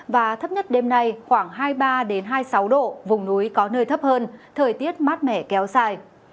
và thấp nhất đêm nay khoảng hai mươi ba hai mươi sáu độ vùng núi có nơi thấp hơn thời tiết mát mẻ kéo dài